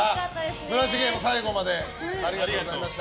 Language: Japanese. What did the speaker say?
村重も最後までありがとうございました。